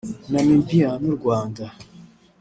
Namibia n’u Rwanda